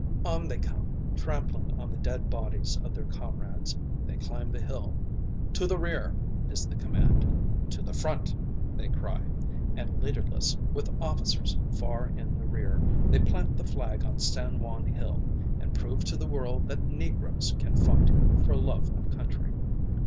On they come, trampling on the dead bodies of their comrades; they climb the hill. "To the rear!" is the command. "To the front!" they cry; and leaderless, with officers far in the rear, they plant the flag on San Juan Hill, and prove to the world that Negroes can fight for love of country.